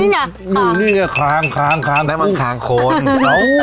นี่ไงคางนี่ไงคางคางคางกุ้งแล้วมันคางคนเอ้า